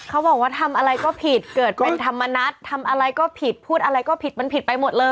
เขาบอกว่าทำอะไรก็ผิดเกิดเป็นธรรมนัฏทำอะไรก็ผิดพูดอะไรก็ผิดมันผิดไปหมดเลย